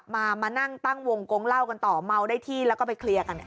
มามานั่งตั้งวงกงเล่ากันต่อเมาได้ที่แล้วก็ไปเคลียร์กัน